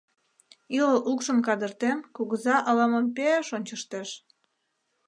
Ӱлыл укшым кадыртен, кугыза ала-мом пе-еш ончыштеш.